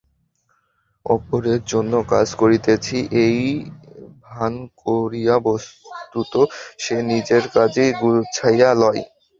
অপরের জন্য কাজ করিতেছি, এই ভান করিয়া বস্তুত সে নিজের কাজই গুছাইয়া লয়।